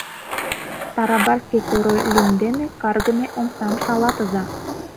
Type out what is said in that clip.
— Тарабарский король лӱм дене каргыме омсам шалатыза!..